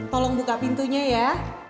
tolong buka pintunya ya